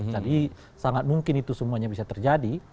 jadi sangat mungkin itu semuanya bisa terjadi